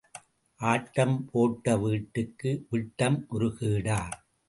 ஆட்டம் போட்ட வீட்டுக்கு விட்டம் ஒரு கேடா?